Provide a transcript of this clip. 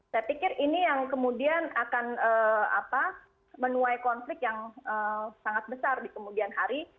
saya pikir ini yang kemudian akan menuai konflik yang sangat besar di kemudian hari